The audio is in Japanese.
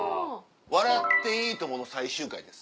『笑っていいとも！』の最終回です。